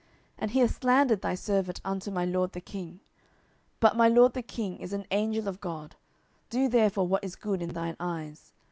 10:019:027 And he hath slandered thy servant unto my lord the king; but my lord the king is as an angel of God: do therefore what is good in thine eyes.